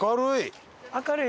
明るい！